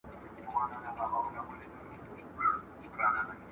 د ښه ژوند لپاره به هره ورځ هڅه کوئ.